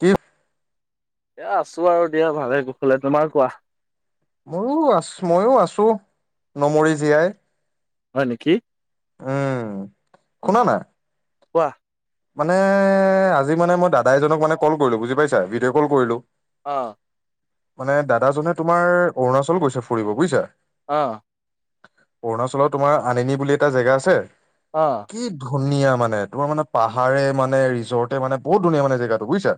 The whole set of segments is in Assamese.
কিপ এয়া আছো আৰু দিয়া ভালে কুশলে। তোমাৰ কোৱা। ময়ো আছ মইও আছো নমৰি জীয়াই। হয় নেকি? উম, উম শুনা না। কোৱা। মানে আজি মানে মই দাদা এজনক মানে কল কৰিলো, বুজি পাইছা? ভিডিঅ' কল কৰিলো। অঁ। মানে দাদাজনে তোমাৰ অৰুণাচল গৈছে ফুৰিব বুইছা। অ। অৰুণাচলত তোমাৰ আনিনী বুলি এটা জেগা আছে। অ কি ধুনীয়া মানে তোমাৰ মানে পাহাৰে মানে ৰিজৰ্টে মানে বহুত ধুনীয়া মানে জেগাটো বুজিছা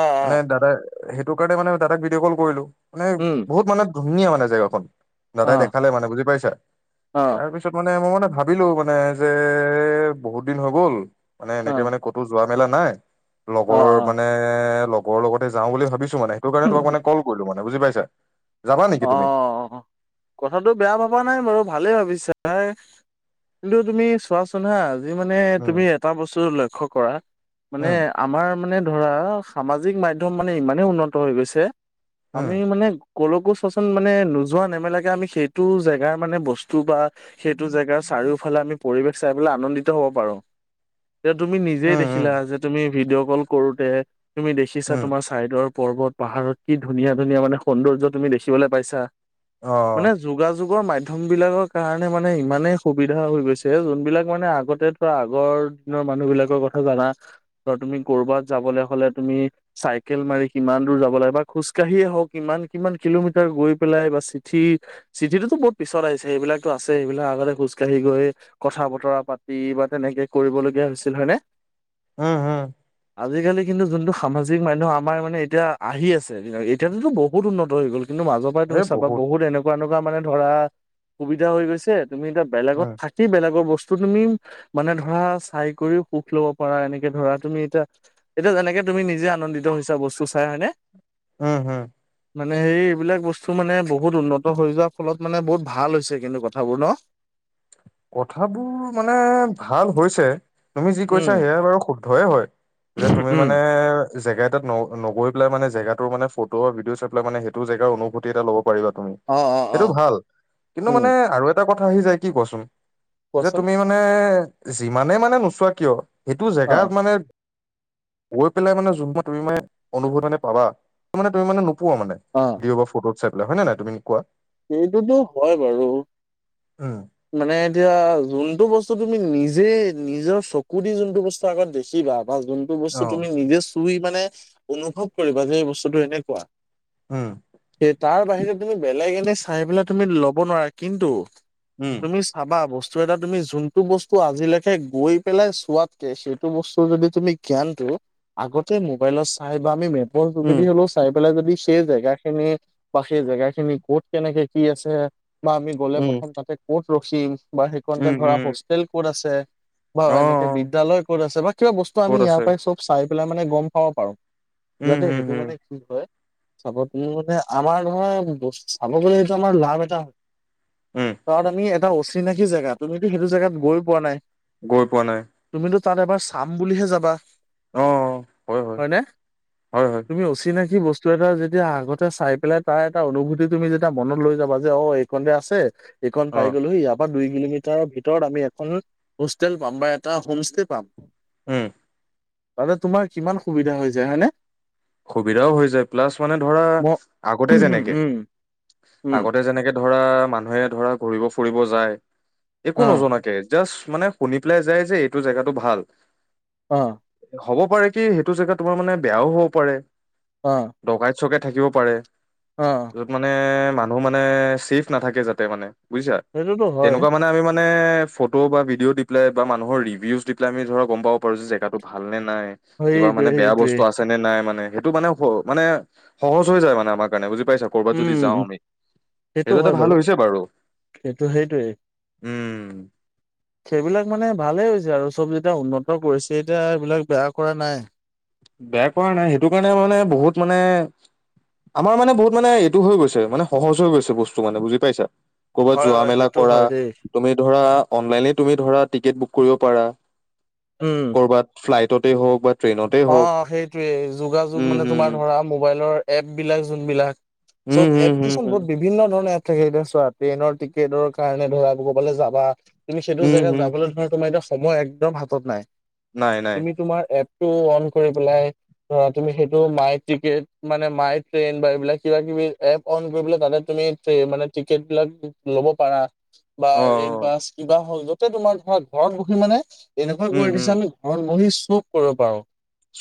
অ অ মানে দাদা সেইটো কাৰণে মানে দাদাক ভিডিঅ' কল কৰিলো মানে উম বহুত মানে ধুনীয়া মানে জেগাখন অ দাদাই দেখালে মানে বুজি পাইছা অ তাৰ পিছত মানে মোৰ মানে ভাবিলো মানে যে বহুত দিন হৈ গ'ল মানে অ এনেকে মানে ক'তো যোৱা মেলা নাই অ অ লগৰ মানে লগৰ লগতে যাওঁ বুলি ভাবিছো। মানে সেইটো কাৰণ তোমাক মানে কল কৰিলো মানে বুজি পাইাছা। অ কথাটো বেয়া ভবা নাই বাৰু ভালেই ভাবিছা। হাই এইটো তুমি চোৱাচোন হা। আজি মানে উম তুমি এটা বস্তু লক্ষ্য কৰা মানে উম আমাৰ মানে। ধৰা সামাজিক মাধ্যম মানে ইমানে উন্নত হৈ গৈছে উম আমি মানে কলো। চোন মানে নোযোৱা নেমেলাকে আমি সেইটো জেগাৰ মানে বস্তু বা সেইটো জেগাৰ চাৰিওফালে। আমি পৰিৱেশ চাই পেলাই আনন্দিত হ'ব পাৰো। এতি তুমি নিজেই উম উম দেখিলা যে তুমি ভিডিঅ' কল কৰোতে তুমি দেখিছা উম তোমাৰ চাইডৰ। পৰ্বত পাহাৰত কি ধুনীয়া ধুনীয়া মানে সৌন্দৰ্য তুমি দেখিবলৈ পাইছা অ মানে যোগা। সং যুগৰ মাধ্যম বিলাকৰ কাৰণে মানে ইমানেই সুবিধা হৈ গৈছে যোনবিলাক মানে আগতে থ আগৰ। মানুহ বিলাকৰ কথা জানা তুমি কৰবাত যাবলে হলে তুমি চাকেল মাৰি। ইমান দূৰ যাব লাগে বা খোজকাঢ়িয়ে হওক ইমান কিমান কিলোমিটাৰ। গৈ পেলাই বা চিঠি চিঠিত তো বহুত পিছত আহিছে সেইবিলাকতো আছে এইবিলাক আগতে খোজ কঢি গৈ। কথা বতৰা পাতি বা তেনেকে কৰিবলগীয়া হৈছিল হয়নে। উম উম। আজিকালি কিন্তু যোনটো সামাজিক মাধ্যম আমাৰ মানে এতিয়া আহি আছে এতিয়াততো বহুত উন্নত হৈ গ'ল। কিন্তু মাজৰ পৰাই তুমি চাবা বহুত এনেকুৱা এনেকুৱা মানে ধৰা সুবিধা হৈ গৈছে। তুমি এতিয়া বেলেগত উম থাকি বেলেগৰ বস্তু। তুমি মানে ধৰা চাই কৰি সুখ লব পাৰা এনেকে ধৰা তুমি এতিয়া এতিয়া যেনেকে। তুমি নিজে আনন্দিত হৈছা বস্তু চাই হয়নে। উম, উম। মানে সেই। স এইবিলাক বস্তু মানে বহুত উন্নত হৈ যোৱাৰ ফলত মানে বহুত ভাল হৈছে কিন্তু কথাবোৰ ন। কথাবোৰ মানে ভাল হৈছে তুমি যি কৈছা উম। সেয়াই বাৰু শুদ্ধয়ে হয়। যে তুমি উম। মানে জেগা এটাত ন নগৈ পেলাই মানে জেগাত। মানে ফটো বা ভিদিঅ' চাইপেলাই মানে সেইটো জেগাৰ অনুভতি এটা ল'ব পাৰিবা তুমি অ', অ', সেইটো অ', ভাল, কিন্তু উম, মানে আৰু এটা কথা আহি যায় কি কোৱাচোন? যে কোৱাচোন তুমি মানে যিমানে মানে নোচোৱা কিয় সেইটো জেগাত অ', মানে গৈ পেলাই মানে য তুমি মানে অনুভৱ মানে পাবা মানে তুমি মানে [unintelligible] পোৱা মানে, অ', ভিউ বা ফটোত চাইপেলাই, হয় নে নাই তুমি কোৱা? সেইটোতো হয় বাৰু। উম মানে এতিয়া যোনটো বস্তু তুমি নিজ। যে নিজৰ চকু দি যোনটো বস্তু আগত দেখিবা বা যোনটো বস্তু অ তুমি নিজে চুই। মানে অনুভৱ কৰিবা যে এই বস্তুটো এনেকুৱা উম সেই তাৰ বাহিৰে। তুমি বেলেগ এনে চাই পেলাই তুমি ল'ব নোৱাৰা কিন্তু উম তুমি চাবা বস্তু। চ এটা তুমি যোনতটো বস্তু আজিলৈকে গৈ পেলাই চোৱাতকে সেইটো বস্তু যদি তুমি জ্ঞানটো। আগতে মোবাইলত চাই বা আমি মেপ। উম যোগেদি হলেও চাই পেলাই যদি সেই জেগা খিনি বা সেই জেগা খিনি ক'ত। কেনেকে কি আছে বা আমি গ'লে উম প্ৰথম তাতে ক'ত ৰখিম। বা সেইখনতে উম ধৰা উম হোষ্টেল ক'ত আছে। বা অ এনেকে অ', বিদ্যালয় ক'ত আছে বা কিবা বস্তু আমি ক'ত ইয়াৰ আছে পৰাই চব চাই পেলাই মানে গম পাব পাৰো। উম যাতে উম সেইটো উম মানে কি হয় চাব মানে আমাৰ নহয় বস্তু। খাব গলে এইটো আমাৰ লাভ এটা হয় উম ত আমি এটা। চিনাকি জেগা তুমিতো সেইটো জোগাত গৈ পোৱা নাই। গৈ পোৱা নাই। তুমিতো তাত এবাৰ চাম বুলিহে যাবা অ অ', হয় হয় হয়নে? হয় হয় তুমি অচিনাই। কি বস্তু এটা যেতিয়া আগতে চাই পেলাই তাৰ এটা অনুভূতি। দি তুমি যেতিয়া মনত লৈ যাবা যে অ এইখনতে আছে এইখন অ পাই গ'লোহি ইয়াৰ পৰা দুই। কিলোমিটাৰৰ ভিতৰত আমি এখন হোষ্টেল পাম বা এটা হোম ষ্টেয় পাম। উম। মানে তোমাৰ কিমান সুবিধা হৈ যায় হয়নে? সুবিধাও হৈ যায়, প্লাছ মানে ধৰা ম আগতে যেনেকে উম উম আগতে যেনেকে ধৰা মানুহে ধৰা ঘূৰিব ফুৰিব যায় একো অ নজনাকে জাষ্ট মানে শুনি পেলাই যায় যে এইটো জেগাটো ভাল। অ। হ'ব পাৰে কি সেইটো জেগাত তোমাৰ মানে বেয়াও হ'ব পাৰে। অ। উসকে থাকিব পাৰে, অ য'ত মানে মানুহ মানে ছেফ নাথাকে যাতে মানে। বুজিছা সেইটোতো হয় তেনেকুৱা মানে আমি মান- মানে ফটো বা ভিডিঅ' দি পেলাই বা মানুহৰ ৰিউজ দি পেলাই আমি ধৰা গম পাব পাৰো যে জেগাটো ভাল নে- নাই। কিবা সেইটোৱে মানে বেয়া সেইটোৱে বস্তু আছে নে নাই। মানে সেইটো মানে মানে সহজ হৈ যায় মানে আমাৰ কাৰণে বুজি- পাইছা কৰ'বাত যদি উম যাওঁ আমি, সেইটো এটা ভাল হৈছে বাৰু। সেইটো সেইটোৱে উম। সেইবিলাক মানে ভালেই হৈছে আৰু চব যেতিয়া উন্নত কৰিছে এতিয়া এইবিলাক বেয়া কৰা নাই। বেয়া কৰা নাই সেইটো কাৰণে মানে বহুত মানে আমাৰ মানে বহুত মানে এইটো হৈ গৈছে মানে সহজ হৈ গৈছে বস্তু মানে বুজি পাইছা? কৰ'বাত হয় যোৱা হয় মেলা সেইটো কৰা হয় দেই। তুমি ধৰা অনলাইনে তুমি ধৰা টিকেট বুক কৰিব পাৰা, উম কৰবাত ফ্লাইটতে হওক বা ট্ৰেইনতেই হওক। অ সেইটোয়ে যোগাযোগ উম মানে হম তোমাৰ ধৰা মোবাইলৰ এপ বিলাক যোনবিলাক উম চব হম এপ হম কিচন হম বহুত বিভিন্ন ধৰণৰ এপ থাকে এতিয়া চোৱা ট্ৰেইনৰ টিকেটৰ কাৰণে ধৰা ক'বালে যাবা। তুমি সেইটো উম জেগাত হম যাবলৈ ধৰা তোমাৰ এতিয়া সময় একদম হাতত নাই। নাই নাই তুমি তোমাৰ এ- টো অন কৰি পেলাই ধৰা তুমি সেইটো মাই টিকেট মানে মাই ট্ৰেইন বা এইবিলাক কিবা কিবি এপ অন কৰিবলে তাতে তুমি মানে টিকেট বিলাক ল'ব পাৰা। বা অ ৰেড অ বাছ কিবা হল যতে তোমাৰ ধৰা ঘৰত বহি মানে তেনেকুৱা উম কৰি হম দিছে আমি ঘৰত বহি চব কৰিব পাৰো।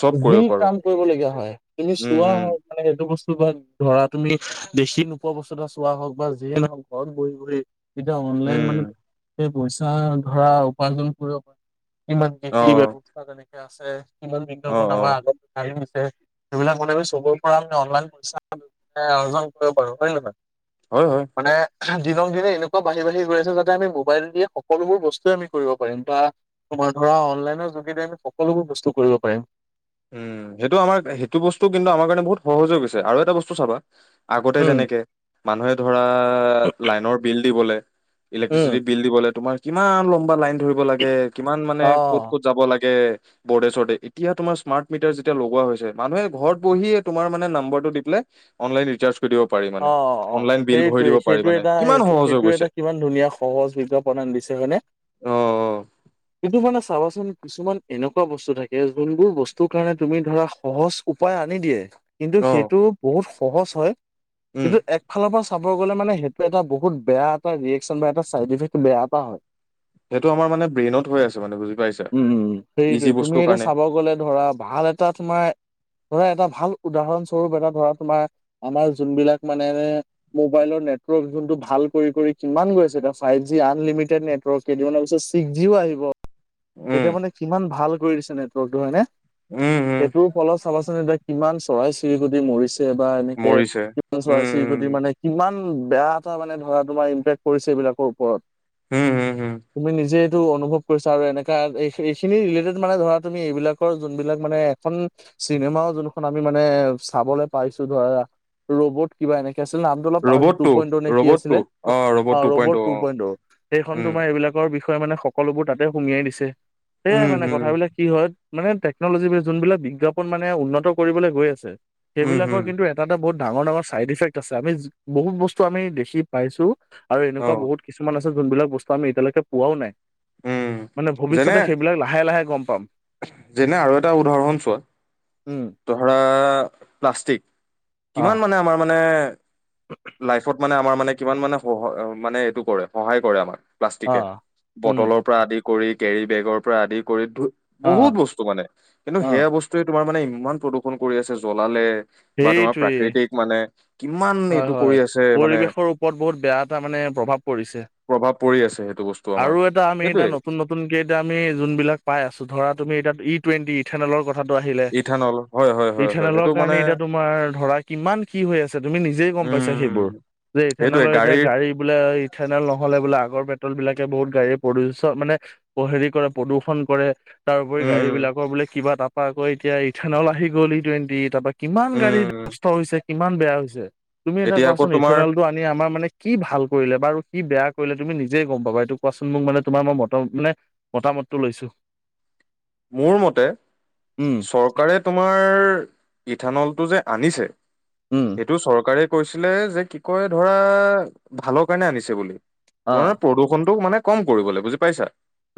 চব যি কৰিব পাৰো কাম কৰিব লগীয়া হয় তুমি উম চোৱা হম হওক মানে সেইটো বস্তু ধৰা তুমি দেখি নোপোৱা বস্তু এটা চোৱা হওক বা যিয়ে নহওক, ঘৰত বহি বহি এতিয়া অনলাইন উম মানে সেই পইচা ধৰা উপাৰ্জন কৰিব পাৰে। কিমান কি অ কি ব্যবস্থা কেনেকে আছে কিমান অ অ [unintelligible] সেইবিলাক মতে চবৰে পৰা আমি অনলাইন পইচা অৰ্জন কৰিব পাৰো। হয় নে নহয়? হয় হয়। মানে দিনক দিনে এনেকুৱা বাঢ়ি বাঢ়ি গৈ আছে যাতে আমি মোবাইল দিয়ে সকলোবোৰ বস্তুৱে আমি কৰিব পাৰিম, বা ধৰা অনলাইনৰ যোগেদি আমি সকলোবোৰ বস্তু কৰিব পাৰিম। উম সেইটো আমাৰ সেইটো বস্তু কিন্তু আমাৰ কাৰণে বহুত সহজ হৈ গৈছে আৰু এটা বস্তু চাবা। আগতে উম যেনেকে মানুহে ধৰা লাইনৰ বিল দিবলে উম ইলেক্ট্ৰিচিটি বিল দিবলে তোমাৰ কিমান লম্বা লাইন ধৰিব লাগে কিমান মানে অ ক'ত ক'ত যাব লাগে, বৰ্ডে- চৰ্দে। এতিয়া তোমাৰ স্মাৰ্ট মিটাৰ যেতিয়া লগোৱা হৈছে, মানুহে ঘৰত বহিয়ে তোমাৰ মানে নাম্বাৰটো দি পেলাই অনলাইন ৰিচাৰ্চ অ অ অ সেইটোয়ে পাৰি সেইটোয়ে মানে এটা কিমান সেটো সহজ হৈ সেইটোয়ে গৈছে এটা কিমান ধুনীয়া সহজ বিজ্ঞাপনা দিছে হয়নে? অ অ কিন্তু মানে চাবাচোন কিছুমান এনেকুৱা বস্তু থাকে যোনবোৰ বস্তু কাৰণে তুমি ধৰা সহজ উপায় আনি দিয়ে। কিন্তু অ সেইটো বহুত সহজ হয় উম কিন্তু একফালৰ পৰা চাব গ'লে মানে সেইটো এটা বহুত বেয়া এটা ৰিয়েকচন বা এটা চাইড ইফেক্ট বেয়া এটা হয়। সেইটো আমাৰ মানে ব্ৰেইনত হৈ আছে মানে বুজি পাইছা উম ইজি সেইটোয়ে তুমি বস্তুৰ এতিয়া কাৰণে চাব গলে ধৰা ভা- ভাল এটা তোমাৰ ধৰা এটা ভাল উদাহৰণ স্বৰূপ এটা ধৰা তোমাৰ আমাৰ। যোনবিলাক মোবাইল নেটৱৰ্কক যোনটো ভাল কৰি কৰি কিমান গৈছে এতিয়া ফাইভ জি আনলিম- এতিয়া নেটৱৰ্কক ছিক্স জি আহিব। উম এতিয়া মানে কিমান ভাল কৰি দিছে নেটৱৰ্কটো হয়নে। উম উম সেইটোৰ ফলত চাবাচোন এতিয়া কিমান চৰাই চিৰিকটি মৰিছ- বা এনেকে মৰিছে কিছুমান উম চৰাই চিৰিকটী উম মানে কিমান। ইমান বেয়া এটা মানে ধৰা তোমাৰ ইম্পেক্ট পৰিছে এইবিলাকৰ ওপৰত হম হম হম তুমি নিজে অনুভৱ কৰিছা আৰু এনেকা এইখিনি ৰিলেটেড মানে ধৰা তুমি এইবিলাকৰ যোনবিলাক মানে এখন। চিনেমাও যোনখন আমি মানে চাবলৈ পাইছো ধৰা ৰবত কিবা এনেকে। কি আছিল নামটো অলপ পাহৰিলো তু পইন্টৰ নে কি আছিলে অ ৰবট টু পইন্ট অ, সেইখন উম তোমাৰ এইবিলাকৰ বিষয় মানে সকলোবোৰ তাতে সুমিয়াই দিছে সেয়াই উম মানে হম কথাবিলাক কি হয়। মানে টেকন'লজী যোনবিলাক বিজ্ঞাপন মানে উন্নত কৰিবলৈ গৈ আছে উম সেইবিলাকৰ হম কিন্তু এটা এটা বহুত ডাঙৰ- ডাঙৰ চাইড ইফেক্ট আছে আমি বহুত বস্তু আমি দেখি পাইছো আৰু অ এনেকুৱা বহুত কিছুমান আছে যোনবিলাক বস্তু আমি এতিয়ালৈকে পোৱাও নাই, উম মানে যেনে ভৱিষ্যতে সেইবিলাক লাহে লাহে গম পাম। যেনে আৰু এটা উদাহৰণ চোৱা। উম ধৰা প্লাষ্টিক, অ কিমান মানে আমাৰ মানে লাইফত মানে আমাৰ মানে কিমান মানে সহ মানে এইটো কৰে সহায় কৰে আমাক। অ প্লাষ্টিকে, উম বটলৰ পৰা আদি কৰি কেৰি বেগৰ পৰা আদি কৰি ধু অ বহুত বস্তু মানে কিন্তু সেয়া অ বস্তুৱে তোমাৰ মানে ইমান প্ৰদূষণ কৰি আছে জ্বলালে বা তোমাৰ সেইটোৱেই প্ৰাকৃতিক মানে। কিমান হয় এইটো -হয় কৰি আছে মানে পৰিৱেশৰ ওপৰত বহুত বেয়া এটা মানে প্ৰভাৱ পৰিছে। প্ৰভাৱ পৰি আছে সেইটো বস্তু আমাৰ আৰু এটা আমি এতিয়া সেইটোৱে নতুন -নতুনকে এতিয়া আমি যোনবিলাক পাই আছো ধৰা তুমি এতিয়া ই। টুৱেটিথনেলৰ কথা। টো আহিলে ইথানল হয় হয় হয় হয় সেইটো ইলৰ মানে কাৰণে এতিয়া তোমাৰ ধৰা কিমান কি হৈ আছে। তুমি গম পাইছা সেইবোৰ উম যে ইথানল সেইটোৱে এতিয়া গাড়ীৰ গাড়ী বোলে ইথানল নহলে বোলে আগৰ পে বিলাকে বহুত গাড়ী প্ৰদূষ মানে হেৰি কৰে প্ৰদূষণ কৰে। তাৰপৰি গাড়ী উম বিলাকৰ বোলে কিবা তাৰপা আকৌ এতিয়া ইথানল আহি গ'ল ই টুৱেণ্টি তাৰপা। কিমান গাড়ী উম নষ্ট হৈছে কিমান বেয়া হৈছে। তুমি এটা এতিয়া আকৌ কোৱাচোন তোমাৰ ইথেনেলটো আনি আমাৰ মানে কি ভাল কৰিলে বাৰু কি বেয়া কৰিলে তুমি নিজেই গম পাবা, এইটো কোৱাচোন মোক মানে তোমাৰ মই মত মানে মতামতটো লৈছো। [inaudible] মোৰ মতে উম, চৰকাৰে তোমাৰ ইথানলটো যে আনিছে উম, সেইটো চৰকাৰে কৈছিলে যে কি কয় ধৰা ভালৰ কাৰণে আনিছে বুলি নহয় অ', প্ৰদূষণতটো মানে। কম কৰিবলৈ বুজি পাইছা!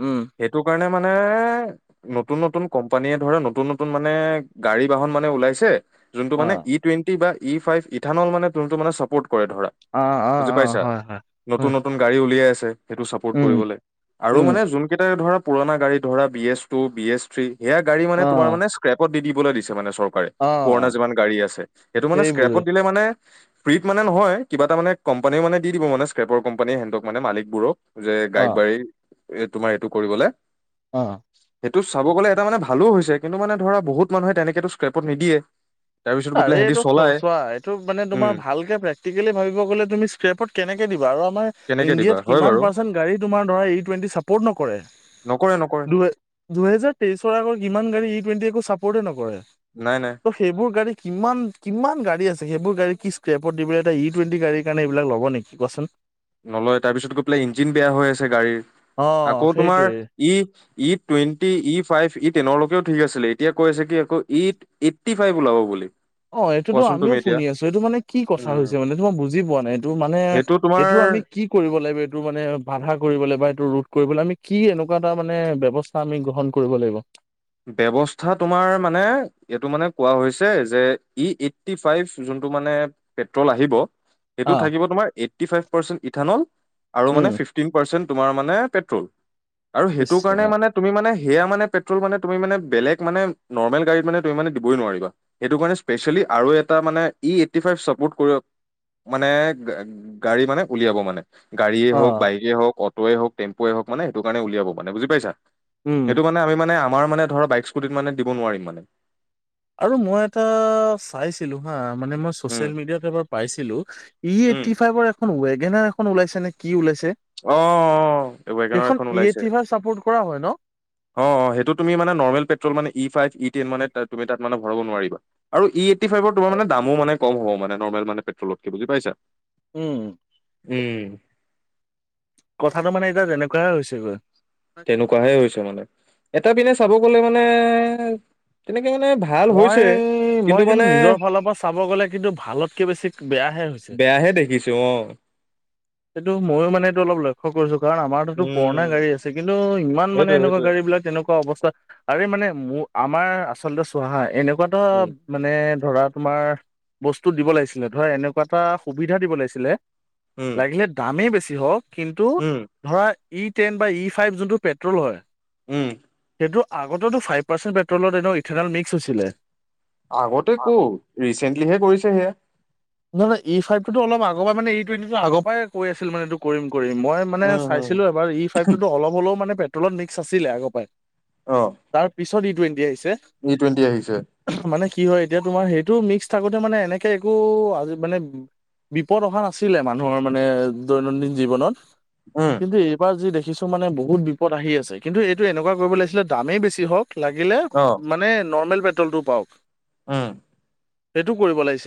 উম, সেইটো কাৰণে মানে। নতুন- নতুন কোম্পানীয়ে ধৰা নতুন -নতুন মানে গাড়ী বাহন মানে ওলাইছে যোনটো মানে অ'। ই টুৱেটি বা ই ফাই ইথানল মানে জোনটো মানে চাপৌটো কৰে ধৰা অ', অ', বুজি অ', পাইছা, হয়, হয়, নতুন- হয়, নতুন গাড়ী উলিয়াই আছে। সেইটো চাপৰ্ট উম, কৰিবলৈ আৰু উম, মানে যোন কেইটা ধৰা পুৰণা গাড়ী ধৰা B S two, B S three সেয়া গাডী মানে তোমাৰ অ', মানে স্ক্ৰেপত দি দিবলৈ দিছে। মানে চৰকাৰে পুৰণা অ', যিমান গাড়ী আছে সেইটো মানে সেইবোৰে স্ক্ৰেপত দিলে মানে ফ্ৰী মানে নহয় কিবা এটা মানে কম্পানীয়ে মানে দি দিব মানে স্ক্ৰেৰ কোম্পানী হেণ্টক মানে মালিকবোৰক। যে গাইক অ', বাৰী এ তোমাৰ এইটো কৰিবলৈ। অ। সেইটো চাব গ'লে এটা মানে ভালো হৈছে কিন্তু মানে ধৰা বহুত মানুহে তেনেকেতো স্ক্ৰেপত নিদিয়ে। তাৰপিছত গৈ পেলাই আৰে সিহঁতি এইটো চলাই চোৱা এইটো মানে তোমাৰ উম ভালকে প্ৰেক্টিকেলি ভাবিব গ'লে তুমি স্ক্ৰেপত কেনেকে দিবা। আৰু আমাৰ কেনেকে দিবা ইন্দিয়াত হয় কিমান বাৰু পাৰচেণ্ট গাড়ী তোমাৰ ধাৰা ইটুন্টি চাপৰ্ট নকৰে। কৰে নকৰে। দুহে দুহেজাৰ তেইশৰ আগত কিমান গাড়ী ই টুৱেণ্টি একো চাপৰ্টে নকৰে, নাই নাই ত সেইবোৰ গাড়ী কিমান -কিমান গাড়ী আছে সেইবোৰ গাড়ী কি ক্ৰেপত দিবলৈ এটা ই টুৱেণ্টি গাড়ীৰ কাৰণে এই বিলাক ল'ব নেকি কোৱাচোন। নলয় তাৰ পিছত গৈ পেলাই ইঞ্জিন বেয়া হৈ আছে গাড়ীৰ অ', আকৌ তোমাৰ সেইটোৱে। ই E twenty, E five, E টেনৰলৈকেও ঠিক আছিলে এতিয়া কৈ আছে কি আকৌ ই এইটী ফাইভ ওলাব বুলি। অ এইটোতো কোৱাচোন তুমি আমিও এতিয়া শুনি আছো এইটো মানে কি কথা উম হৈছে মানে এইটো মই বুজি পোৱা নাই এইটো মানে সেইটো তোমাৰ এইটো আমি- কি কৰিব লাগিব এইটো মানে বাধা কৰিব লাগিব বা এইটো ৰোধ কৰিবলৈ আমি কি এনেকুৱা এটা মানে ব্যৱস্থা আমি। গ্ৰহণ কৰিব লাগিব। ব্যৱস্থা তোমাৰ মানে এইটো মানে কোৱা হৈছে যে ই এইটি ফাইভ জো- টো মানে পেট্ৰল আহিব। সেইটো থাকিব তোমাৰ এইটটি ফাইভ পাৰ্চেন্ট ইথানল আৰু মানে উম ফিফটিন পাৰ্চেণ্ট তোমাৰ মানে পেট্ৰল, আৰু সেইটোকাৰণে মানে তুমি মানে, সেয়া মানে, পেট্ৰল মানে তুমি মানে বেলেগ মানে নৰ্মেল গাড়ীত মানে তুমি মানে দিবই নোৱাৰিবা, এইটো কাৰণে স্পেচিয়েলি আৰু এটা মানে ই এইটি ফাইভ চাপৰ্ট কৰি মানে গাড়ী মানে উলিয়াব মানে। গাড়ীয়ে অ হওঁক, বাইকেই হওঁক, অট'য়ে হওঁক, টেম্পোৱে হওঁক মানে সেইটো কাৰণে উলিয়াব মানে বুজি পাইছা। সেইটো উম মানে আমি মানে আমাৰ মানে ধৰা বাইক স্কুটিত মানে দিব নোৱাৰিম মানে। আৰু মই এটা চাইছিলো হা। মানে মই উম চ'ছিয়েল মেডিয়াত এবাৰ পাইছিলোঁ, ই উম এইটি ফাইভৰ এ [unintelligible] ৱেগেনআৰ এখন ওলাইছে নে কি ওলাইছে। অ', অ', এই ৱেগণআৰ সেইখন এখন ই ওলাইছে। এইট্টি ফাইভ চাপৰ্ট কৰা হয় ন অ', অ', সেইটো তুমি মানে নৰ্মেল পেট্ৰল মানে ই ফাইভ ই টেন মানে তুমি তাত মানে ভৰাব নোৱাৰিবা। আৰু ই এইটি ফাইভৰ তোমাৰ মানে দামো মানে ক'ম হ'ব মানে নৰ্মেল মানে পেট্ৰলতকে, বুজি পাইছা? উম। উম। কথাটো মানে এতিয়া যেনেকুৱাই হৈছে গৈ। তেনেকুৱাহে হৈছে মানে? এটা পিনে চাব গলে মানে তেনে মই-মই কিন্তু নিজৰ ফালৰ পৰা চাব গ'লে কিন্তু ভালতকৈ বেছি বেয়াহে হৈছে। দেখিছোঁ অ'। এইটো, মইও মানে এইটো অলপ লক্ষ্য কৰিছোঁ। কাৰণ আমাৰতো পুৰনা উম, গাড়ী আছে, কিন্তু ইমান মানে সেইটোৱে এনেকুৱা সেইটোৱে। গাড়ী বিলাক তেনেকুৱা অৱস্থা। আৰে মানে মোৰ আমাৰ আচলতে চোৱা হা, এনেকুৱা এটা উম, মানে ধৰা তোমাৰ বস্তু দিব লাগিছিলে, ধৰা এনেকুৱা এটা সুবিধা দিব লাগিছিলে উম, লাগিলে দামেই বেছি হওক কিন্তু উম, ধৰা। ই টেন বা ই ফাইভ যোনটো পেট্ৰল হয়। উমহ এইটো আগতেতো ফাইভ পাৰ্চেণ্ট পেট্ৰলত এনে ইথেনল মিক্স হৈছিলে। আগতে কও ৰিচেণ্টলিহে কৰিছে সেয়া। নহয়- নহয়, ই ফাইভটোতো অলপ আগৰ পৰা মে ই টুৱেণ্টিটো আগৰ পৰাই কৈ আছিল মানে এইটো কৰিম কৰিম, মই মানে উম, উম, চাইছিলো এবাৰ ই ফাইভটোতো অলপ হ'লেও মানে পেট্ৰলত মিক্স আছিলে আগৰ পাই। অ', তাৰ পিছত ই টুৱেণ্টি আহিছে। ই টুৱেণ্টি আহিছে। মানে কি হয় এতিয়া তোমাৰ সেইটো মিক্স থাকোঁতে মানে এনেকে একো আজি মানে, বিপদ অহা নাছিলে মানুহৰ মানে দৈনন্দিন জীৱনত। উম, কিন্ত এইবাৰ যি দেখি দেখিছোঁ মানে বহুত বিপদ আহি আছে, কিন্তু এইটো এনেকুৱা কৰিব লাগিছিলে দামেই বেছি হওঁক লাগিলে মানে নৰ্মেল পেট্ৰলটোওঁ পাওঁক। শুম। সেইটো কৰিব লাগিছিল।